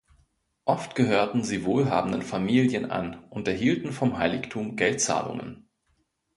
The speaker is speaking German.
Oft gehörten sie wohlhabenden Familien an und erhielten vom Heiligtum Geldzahlungen.